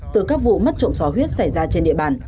từ các vụ mất trộm sò huyết xảy ra trên địa bàn